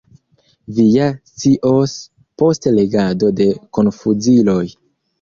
Vi ja scios post legado de Konfuziloj.